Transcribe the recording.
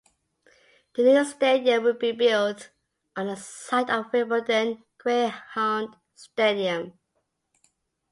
The new stadium will be built on the site of Wimbledon Greyhound Stadium.